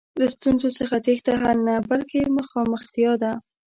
له ستونزو څخه تېښته حل نه، بلکې مخامختیا ده.